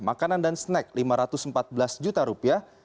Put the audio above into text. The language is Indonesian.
makanan dan snack lima ratus empat belas juta rupiah